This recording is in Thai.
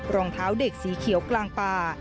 รองเท้าเด็กสีเขียวกลางป่า